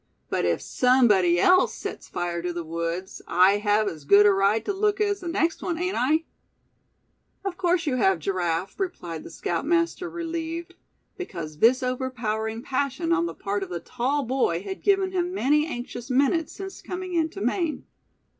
But if somebody else sets fire to the woods, I have as good a right to look as the next one, ain't I?" "Of course you have, Giraffe," replied the scoutmaster, relieved, because this overpowering passion on the part of the tall boy had given him many anxious minutes since coming into Maine.